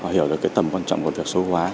hiểu được cái tầm quan trọng của việc số hóa